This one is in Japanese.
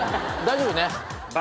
大丈夫ね？